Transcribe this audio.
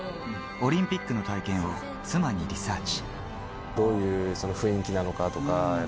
オリンピックの体験を妻にリサーチ。